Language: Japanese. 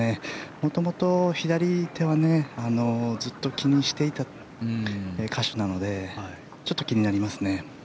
元々、左手はずっと気にしていた箇所なのでちょっと気になりますね。